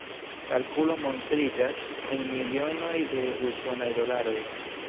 Kalkulo montriĝas en milionoj de usonaj dolaroj.